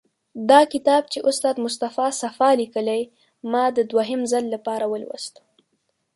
دا کتاب چې استاد مصطفی صفا لیکلی، ما د دوهم ځل لپاره ولوست.